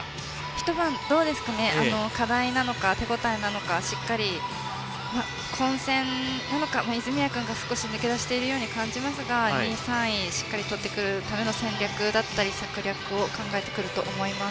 ひと晩、課題なのか手ごたえなのか混戦なのか泉谷君が少し抜け出している感じますけど２位、３位をしっかりとってくる戦略だったり策略を考えてくると思います。